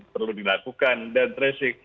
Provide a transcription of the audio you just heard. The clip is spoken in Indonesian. perlu dilakukan dan tracing